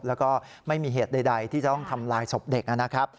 แล้วก็ไม่มีเหตุใดที่จะต้องทำลายศพเด็กนะครับ